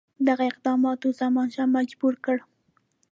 دغه اقداماتو زمانشاه مجبور کړ.